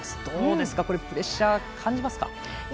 どうですか、プレッシャーを感じますか。